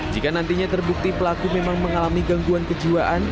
jika nantinya terbukti pelaku memang mengalami gangguan kejiwaan